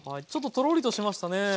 ちょっととろりとしましたね。